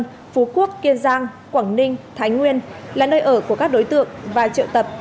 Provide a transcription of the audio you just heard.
phú quốc kiên giang quảng ninh thái nguyên là nơi ở của các đối tượng và triệu tập